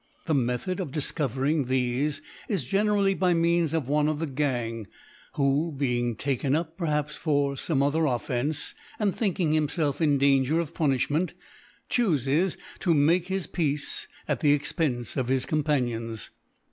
The Method of difcovering thefc is generally by means of one of the Gang, who being ta ken up, perhaps for fome other Offence, and, thinking himfdf in Danger of Punifti ment, choofes to make his Peace at the Ex pence of his Companions.